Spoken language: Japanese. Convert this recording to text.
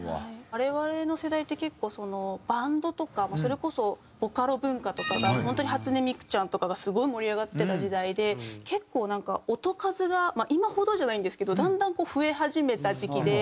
我々の世代って結構バンドとかそれこそボカロ文化とかが本当に初音ミクちゃんとかがすごい盛り上がってた時代で結構なんか音数が今ほどじゃないんですけどだんだん増え始めた時期で。